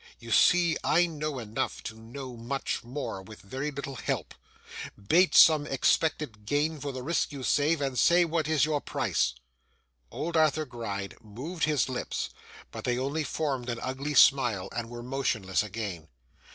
You see I know enough to know much more with very little help. Bate some expected gain for the risk you save, and say what is your price.' Old Arthur Gride moved his lips, but they only formed an ugly smile and were motionless again.